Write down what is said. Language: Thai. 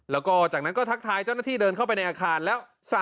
แล้วก็จากนั้นก็ทักทายเจ้าหน้าที่เดินเข้าไปในอาคารแล้ว